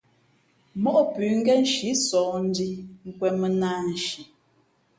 Móʼ pʉ̌ ngén nshǐ sǒh ndhī nkwēn mᾱ nāānshi.